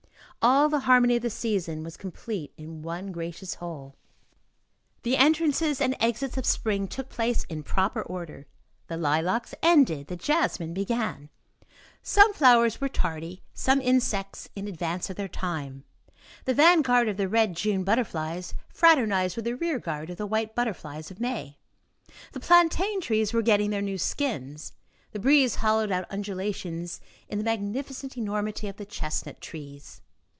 All the harmony of the season was complete in one gracious whole; the entrances and exits of spring took place in proper order; the lilacs ended; the jasmines began; some flowers were tardy, some insects in advance of their time; the van guard of the red June butterflies fraternized with the rear guard of the white butterflies of May. The plantain trees were getting their new skins. The breeze hollowed out undulations in the magnificent enormity of the chestnut trees.